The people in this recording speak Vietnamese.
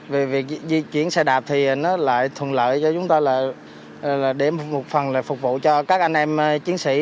về việc di chuyển xe đạp thì nó lại thuận lợi cho chúng tôi là để một phần là phục vụ cho các anh em chiến sĩ